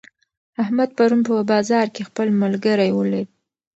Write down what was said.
احمد پرون په بازار کې خپل ملګری ولید.